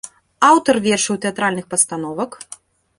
Аўтар вершаў і тэатральных пастановак.